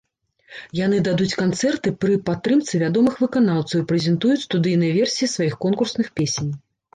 Яны дадуць канцэрты пры падтрымцы вядомых выканаўцаў і прэзентуюць студыйныя версіі сваіх конкурсных песень.